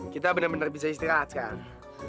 kita bener bener bisa istirahat sekarang